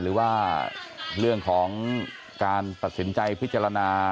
หรือว่าเรื่องของการตัดสินใจพิจารณา